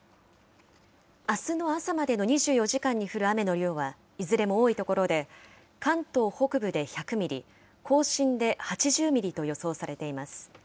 あすの朝までの２４時間に降る雨の量は、いずれも多い所で、関東北部で１００ミリ、甲信で８０ミリと予想されています。